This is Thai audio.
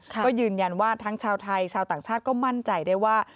ก็ยืนยันว่าทั้งชาวไทยชาวต่างชาติก็มั่นใจได้ว่า